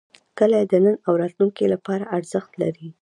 کلي د نن او راتلونکي لپاره ارزښت لري.